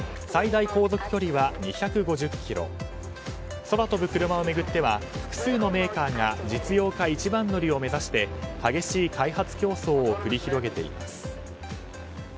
最大航続距離は２５０ｋｍ空飛ぶクルマを巡っては複数のメーカーが実用化一番乗りを目指して激しい開発競争を繰り広げています。